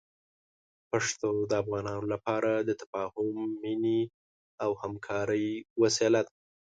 پښتو د افغانانو لپاره د تفاهم، مینې او همکارۍ وسیله ده.